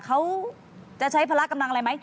เขาจะใช้พละกำลังอะไรไหม